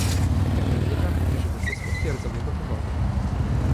"Niemniej jednak, nieżywy pies potwierdzał jego wywody."